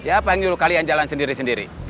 siapa yang nyuruh kalian jalan sendiri sendiri